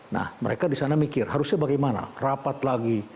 nah mereka di sana mikir harusnya bagaimana rapat lagi